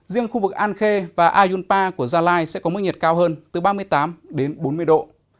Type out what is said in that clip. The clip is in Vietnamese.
riêng khu vực an khê và ayunpa của gia lai sẽ có mức nhiệt cao hơn từ ba mươi tám đến bốn mươi độ